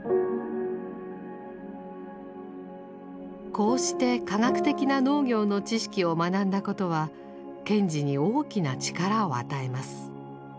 こうして科学的な農業の知識を学んだことは賢治に大きな力を与えます。